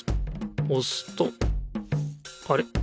おすとあれ？